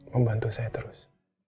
membantu saya terus